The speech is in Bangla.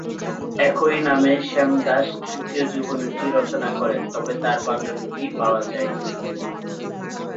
একই নামে শ্যামদাস তৃতীয় জীবনীটি রচনা করেন, তবে তার পান্ডুলিপি পাওয়া যায় নি।